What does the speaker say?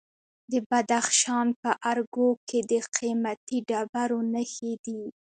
د بدخشان په ارګو کې د قیمتي ډبرو نښې دي.